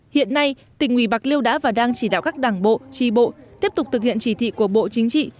hiện nay tỉnh ủy bạc liêu đã và đang chỉ đạo các đảng bộ tri bộ tiếp tục thực hiện chỉ thị của bộ chính trị